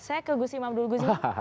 saya ke gus imam dulu